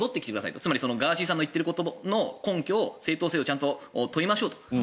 つまりガーシーさんの言っていることの根拠、正当性をちゃんと取りましょうと。